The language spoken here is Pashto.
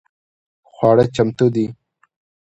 خواړه چمتو دي؟